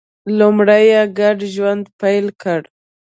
لومړی یې ګډ ژوند پیل کړ